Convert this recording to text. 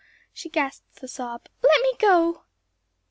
she gasped with a sob, "let me go."